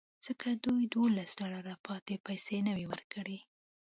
ځکه دوی دولس ډالره پاتې پیسې نه وې ورکړې